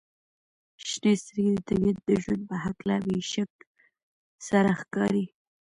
• شنې سترګې د طبیعت د ژوند په هکله بې شک سره ښکاري.